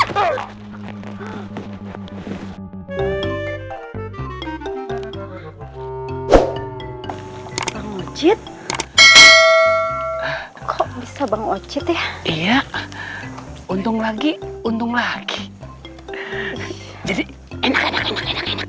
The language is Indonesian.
bang ocit kok bisa bang ocit ya iya untung lagi untung lagi jadi enak enak enak enak